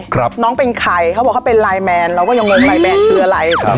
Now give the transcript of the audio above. ครับน้องเป็นใครเขาบอกเขาเป็นไลน์แมนเราก็ยังงงไลแมนคืออะไรครับ